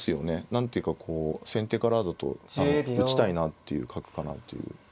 何ていうかこう先手からだと打ちたいなっていう角かなという。